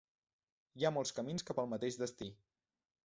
Hi ha molts camins cap al mateix destí.